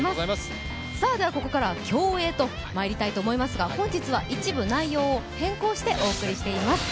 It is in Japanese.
ここからは競泳とまいりたいと思いますが本日は一部内容を変更してお送りしています。